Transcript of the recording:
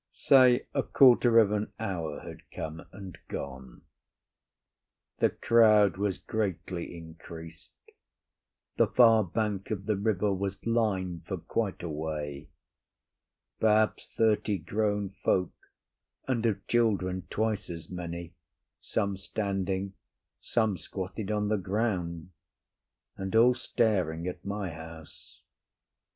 Say a quarter of an hour had come and gone. The crowd was greatly increased, the far bank of the river was lined for quite a way—perhaps thirty grown folk, and of children twice as many, some standing, some squatted on the ground, and all staring at my house.